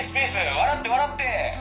笑って笑って」。